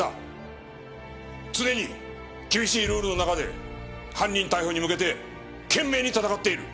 常に厳しいルールの中で犯人逮捕に向けて懸命に戦っている。